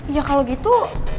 ya kalau gitu